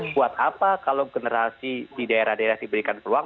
buat apa kalau generasi di daerah daerah diberikan peluang